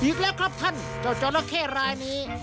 อีกแล้วครับท่านเจ้าจอละเข้รายนี้